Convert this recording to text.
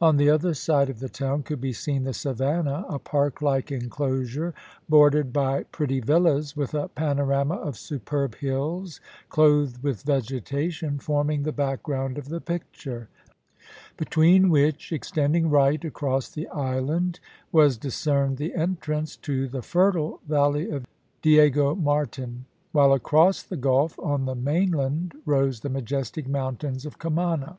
On the other side of the town could be seen the Savannah, a park like enclosure bordered by pretty villas, with a panorama of superb hills clothed with vegetation, forming the background of the picture; between which, extending right across the island, was discerned the entrance to the fertile valley of Diego Martin; while across the gulf on the mainland rose the majestic mountains of Cumana.